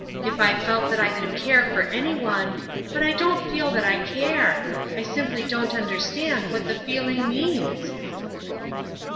If I felt that I could care for any one——But I don't feel that I care. I simply don't understand what the feeling means."